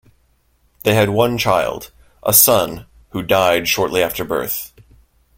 They had one child, a son, who died shortly after birth.